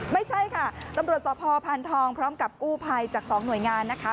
ไม่ใช่ค่ะตำรวจสพพานทองพร้อมกับกู้ภัยจากสองหน่วยงานนะคะ